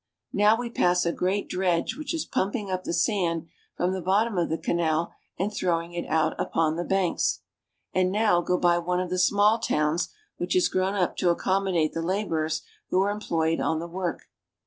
Now we pass a great dredge which is pumping up the sand from the bottom of the canal and throwing it out upon the banks ; and now go by one of the small towns which has grown up to accommodate the laborers who are employed on the work.